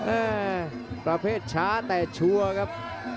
เออประเภทช้าแต่ชัวร์ครับ